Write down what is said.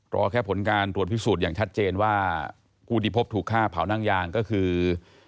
รอแค่ผลการตรวจพิสูจน์อย่างชัดเจนว่าผู้ที่พบถูกฆ่าเผานั่งยางก็คือ